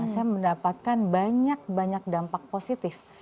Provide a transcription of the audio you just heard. saya mendapatkan banyak banyak dampak positif